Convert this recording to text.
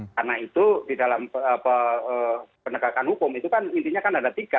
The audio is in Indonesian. karena itu di dalam penegakan hukum itu kan intinya kan ada tiga